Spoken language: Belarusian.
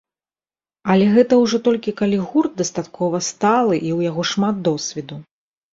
Але гэта ўжо толькі калі гурт дастаткова сталы і ў яго шмат досведу.